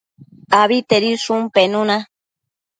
Abitedishun penuna